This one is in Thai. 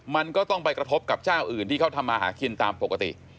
มันก็ต้องไปกระทบกับเจ้าอื่นที่เขาทำมาหากินตามปกติ